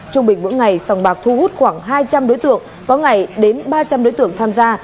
trung bình mỗi ngày sòng bạc thu hút khoảng hai trăm linh đối tượng có ngày đến ba trăm linh đối tượng tham gia